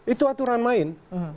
itu aturan main